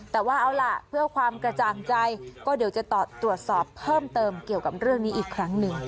แต่ว่าเอาล่ะเพื่อความกระจ่างใจก็เดี๋ยวจะตรวจสอบเพิ่มเติมเกี่ยวกับเรื่องนี้อีกครั้งหนึ่ง